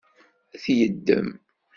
Ad t-yeddem?